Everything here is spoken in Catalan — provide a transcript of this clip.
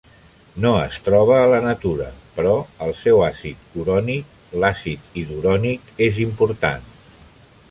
No es troba a la natura, però el seu àcid urònic, l'acid idurònic, és important.